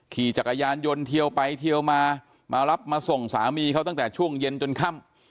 ขี่จักรยานยนต์เทียวไปเทียวมามารับมาส่งสามีเขาตั้งแต่ช่วงเย็นจนค่ำ